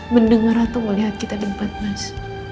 mendengar atau melihat kita di tempat mas